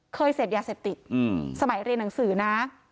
เสพยาเสพติดสมัยเรียนหนังสือนะ